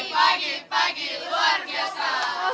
pagi luar biasa